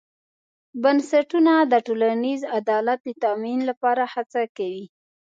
بنسټونه د ټولنیز عدالت د تامین لپاره هڅه کوي.